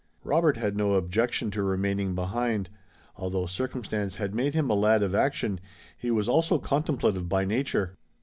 Robert had no objection to remaining behind. Although circumstances had made him a lad of action he was also contemplative by nature.